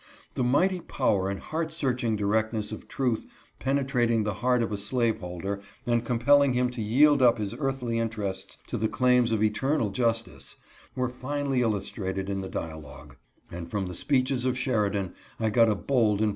The mighty power and heart searching directness \/ of truth penetrating the heart of a slave holder and com pelling him to yield up his earthly interests to the claims of eternal justice, were finely illustrated in the dialogue, and from the spe^ches_ofjheridan I got a bold and